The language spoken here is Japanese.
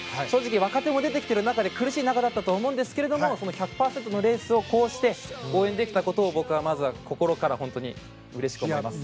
若手も出てきている中で苦しい中だったと思うんですけど１００％のレースをこうして応援できたことを心から嬉しく思います。